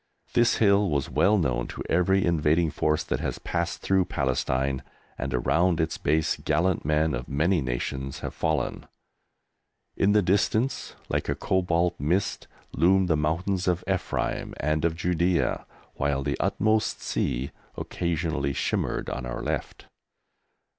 This hill was well known to every invading force that has passed through Palestine, and around its base gallant men of many nations have fallen. In the distance, like a cobalt mist, loomed the mountains of Ephraim and of Judæa, while the "utmost sea" occasionally shimmered on our left.